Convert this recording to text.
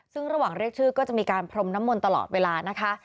ซึ่งระหว่างเรียกชื่อก็จะมีการพรมน้ำมนต์ตลอดเวลานะคะ